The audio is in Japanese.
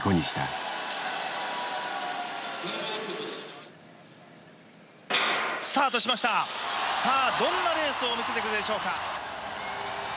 さあどんなレースを見せてくれるでしょうか。